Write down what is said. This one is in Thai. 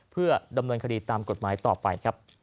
เพื่อดำเนินคดีตามกฎหมายต่อไปครับ